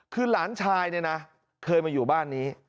คือหลานชายเนี่ยนะเคยมาอยู่บ้านนี้